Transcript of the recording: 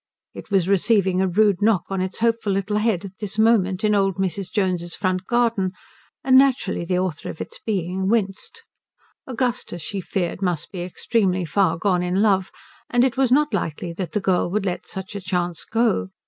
It was receiving a rude knock on its hopeful little head at this moment in old Mrs. Jones's front garden, and naturally the author of its being winced. Augustus, she feared, must be extremely far gone in love, and it was not likely that the girl would let such a chance go.